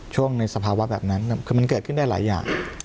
ช่วงในสภาวะแบบนั้นคือมันเกิดขึ้นได้หลายอย่าง